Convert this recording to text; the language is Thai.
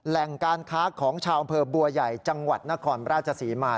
แหล่งการค้าของชาวอำเภอบัวใหญ่จังหวัดนครราชศรีมา